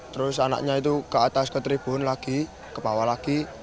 terus anaknya itu ke atas ke tribun lagi ke bawah lagi